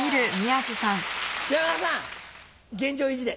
山田さん現状維持で。